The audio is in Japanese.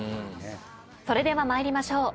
それでは参りましょう。